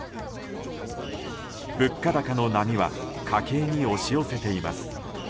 物価高の波は家計に押し寄せています。